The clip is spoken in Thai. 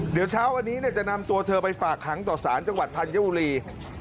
เดี๋ยวเช้าวันนี้จะนำตัวเธอไปฝากหางต่อสารจังหวัดธัญบุรี